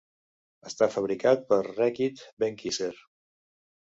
Està fabricat per Reckitt Benckiser.